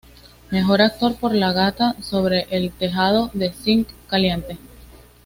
Mejor Actor por La gata sobre el tejado de Zinc Caliente.